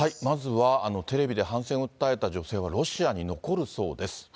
まずはテレビで反戦を訴えた女性はロシアに残るそうです。